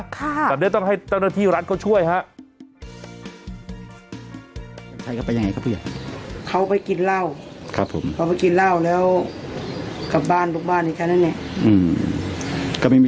แต่ด้วยต้องให้ต้นที่รัฐเขาช่วยครับ